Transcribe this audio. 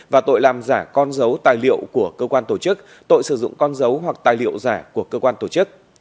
và tội làm giả con dấu tài liệu của cơ quan tổ chức tội sử dụng con dấu hoặc tài liệu giả của cơ quan tổ chức